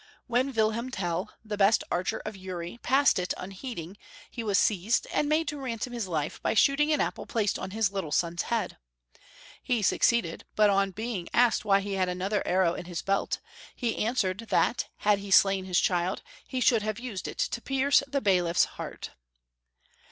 When Wilhelm Tell, the best archer of Uri, passed it unheeding, he was seized and made to ransom his life by shooting an apple placed on his little son's head. He succeeded, but on being asked why he had another arrow in his belt, he answered that had he slain his child, he should have used^ it to pierce the bailiffs heart.